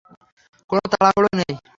কোনও তাড়াহুড়ো নেই।